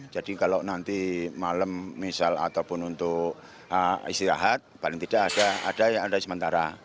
jadi kalau nanti malam misal ataupun untuk istirahat paling tidak ada yang ada di sementara